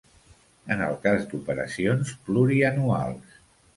En el cas d'operacions plurianuals.